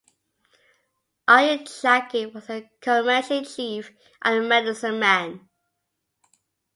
Iron Jacket was a Comanche Chief and Medicine man.